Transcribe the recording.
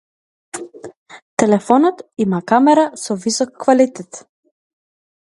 Телефонот има камера со висок квалитет.